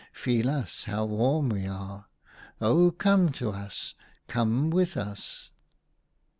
Feel us, how warm we are ! Oh, come to us ! Come with us